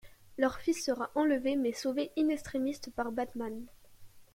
Leur fils sera enlevé mais sauvé in extremis par Batman.